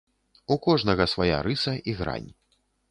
У кожнага свая рыса і грань.